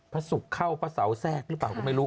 พระศุกร์เข้าพระเสาแทรกหรือเปล่าก็ไม่รู้